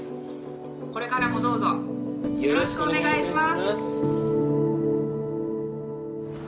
これからもどうぞよろしくお願いします！